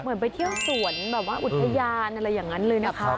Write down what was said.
ไปเที่ยวสวนแบบว่าอุทยานอะไรอย่างนั้นเลยนะคะ